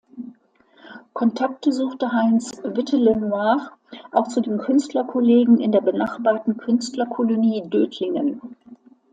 Kontakte suchte Heinz Witte-Lenoir auch zu den Künstlerkollegen in der benachbarten Künstlerkolonie Dötlingen.